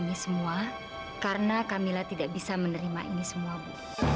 kami semua karena kamilah tidak bisa menerima ini semua bu